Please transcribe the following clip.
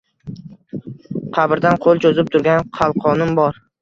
Qabrdan qo’l cho’zib turgan qalqonim bor…